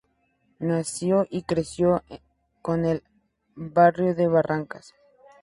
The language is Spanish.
Nació y se crió en el barrio de Barracas.